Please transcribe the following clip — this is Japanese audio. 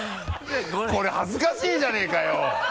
これ恥ずかしいじゃねぇかよ！